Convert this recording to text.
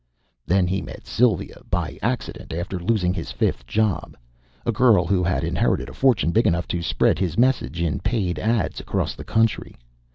_ Then he met Sylvia by accident after losing his fifth job a girl who had inherited a fortune big enough to spread his message in paid ads across the country.